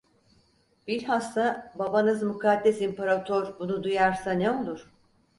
Bilhassa babanız mukaddes İmparator bunu duyarsa ne olur?